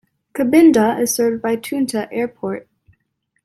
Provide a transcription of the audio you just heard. Kabinda is served by Tunta Airport.